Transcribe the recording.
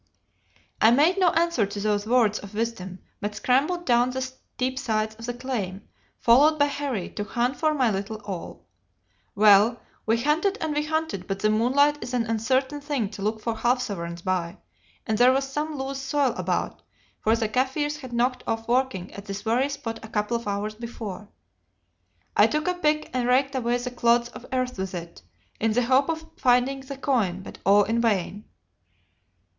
"I made no answer to these words of wisdom, but scrambled down the steep sides of the claim, followed by Harry, to hunt for my little all. Well, we hunted and we hunted, but the moonlight is an uncertain thing to look for half sovereigns by, and there was some loose soil about, for the Kaffirs had knocked off working at this very spot a couple of hours before. I took a pick and raked away the clods of earth with it, in the hope of finding the coin; but all in vain.